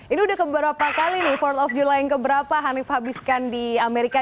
ini udah keberapa kali nih fort of julla yang keberapa hanif habiskan di amerika